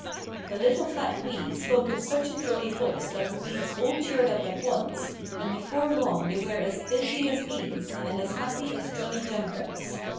The little fat weed spoke in such a jolly voice that the weeds all cheered up at once, and before long they were as busy as bees, and as happy as Johnnie jump ups.